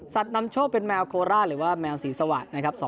นำโชคเป็นแมวโคราชหรือว่าแมวศรีสวรรค์นะครับ